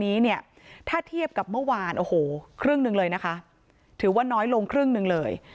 นี้เนี่ยถ้าเทียบกับเมื่อวานโอ้โหครึ่งหนึ่งเลยนะคะถือว่าน้อยลงครึ่งหนึ่งเลย